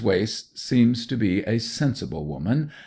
Wace seems to be a sensible woman.